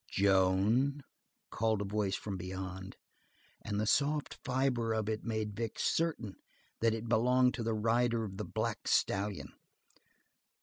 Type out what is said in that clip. "Joan!" called a voice from beyond, and the soft fiber of it made Vic certain that it belonged to the rider of the black stallion.